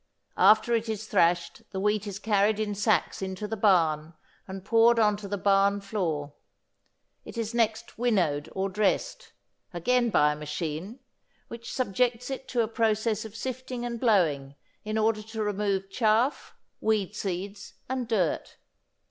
After it is thrashed the wheat is carried in sacks into the barn and poured on to the barn floor. It is next winnowed or dressed, again by a machine, which subjects it to a process of sifting and blowing in order to remove chaff, weed seeds and dirt.